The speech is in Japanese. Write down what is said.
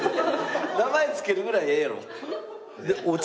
名前付けるぐらいええやろ。